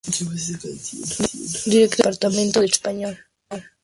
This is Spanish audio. Director del departamento de español e italiano de la Universidad de Illinois en Urbana.